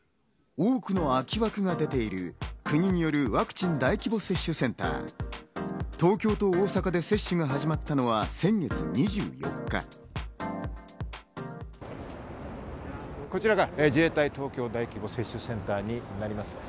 多くの空き枠が出ている国によるワクチン大規模接種センター、東京と大阪で接種が始まったのはこちらが自衛隊東京大規模接種センターになります。